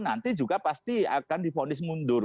nanti juga pasti akan difonis mundur